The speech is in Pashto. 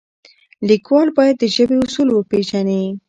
لیکوال باید د ژبې اصول وپیژني.